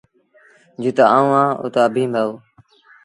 جِت آئوٚنٚ اهآنٚ اُت اڀيٚنٚ با هو۔